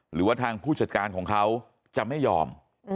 หรือว่าทางผู้จัดการของเขาจะไม่ยอม